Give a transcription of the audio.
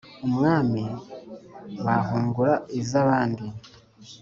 umwami wahungura iza bandi